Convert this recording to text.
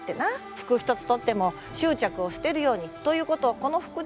服一つとっても執着を捨てるようにということをこの服で表しておる。